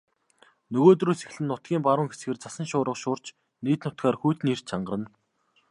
Нөгөөдрөөс эхлэн нутгийн баруун хэсгээр цасан шуурга шуурч нийт нутгаар хүйтний эрч чангарна.